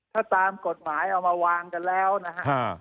ถ้าตามกฎหมายเอามาวางกันแล้วนะฮะ